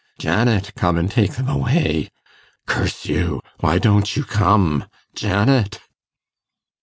Janet! come and take them away ... curse you! why don't you come? Janet!